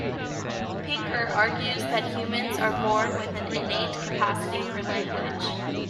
Pinker argues that humans are born with an innate capacity for language.